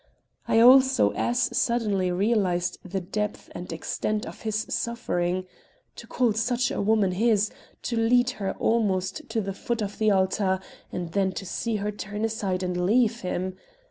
I also as suddenly realized the depth and extent of his suffering. To call such a woman his, to lead her almost to the foot of the altar and then to see her turn aside and leave him!